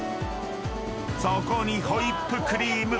［そこにホイップクリーム］